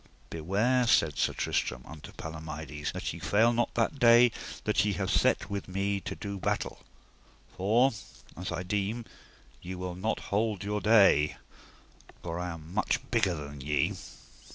Beware, said Sir Tristram unto Palomides, that ye fail not that day that ye have set with me to do battle, for, as I deem, ye will not hold your day, for I am much bigger than ye.